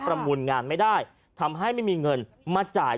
มูลงานไม่ได้ทำให้ไม่มีเงินมาจ่าย